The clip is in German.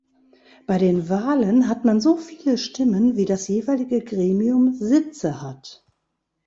Bei den Wahlen hat man so viele Stimmen wie das jeweilige Gremium Sitze hat.